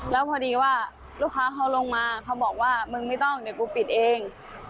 แล้วพอดีว่าลูกค้าเขาลงมาเขาบอกว่ามึงไม่ต้องเดี๋ยวกูปิดเอง